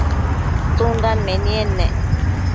tsundan menied ne?